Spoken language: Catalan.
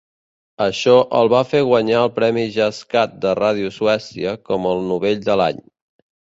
Això el va fer guanyar el premi Jazz Cat de Ràdio Suècia com el novell de l'any.